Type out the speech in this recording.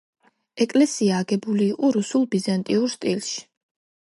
ეკლესია აგებული იყო რუსულ-ბიზანტიურ სტილში.